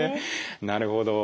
なるほど。